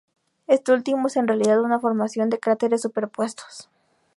Este último es en realidad una formación de cráteres superpuestos.